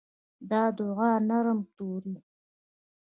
د دوعا نرم توري